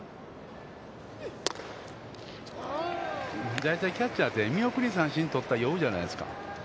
大体キャッチャーって見送り三振取ったら酔うじゃないですか。